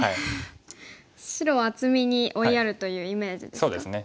白を厚みに追いやるというイメージですか？